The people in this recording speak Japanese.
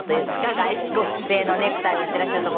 外国製のネクタイをしていらっしゃるところを。